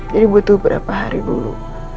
jadi butuh beberapa hari dulu